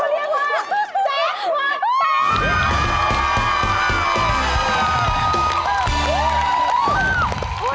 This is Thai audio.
และราคาของจำนำโชคนะคะ